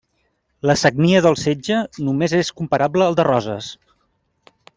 La sagnia del setge només és comparable al de Roses.